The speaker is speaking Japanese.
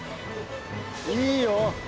いいよ。